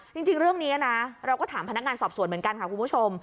จริงเรื่องนี้นะเราก็ถามพนักงานสอบสวนเหมือนกันค่ะคุณผู้ชม